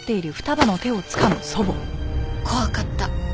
怖かった。